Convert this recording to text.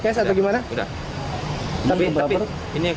kota bogor mencapai dua puluh dua orang